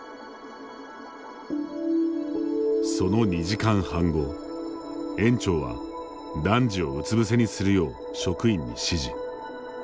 その２時間半後園長は男児をうつ伏せにするよう職員に指示。